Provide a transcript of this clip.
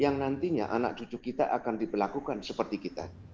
yang nantinya anak cucu kita akan diberlakukan seperti kita